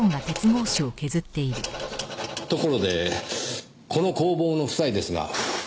ところでこの工房の夫妻ですが。